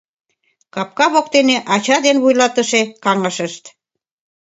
Капка воктене ача ден вуйлатыше каҥашышт.